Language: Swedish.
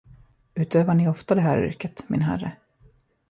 Utövar ni ofta det här yrket, min herre?